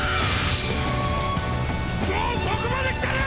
もうそこまで来てる！！